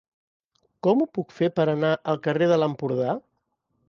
Com ho puc fer per anar al carrer de l'Empordà?